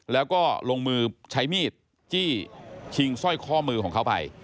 แล้วก็ลงมือใช้มีดจี้ชิงสร้อยข้อมือของเขาไป